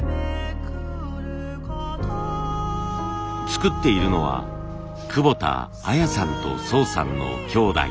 作っているのは久保田綾さんと総さんのきょうだい。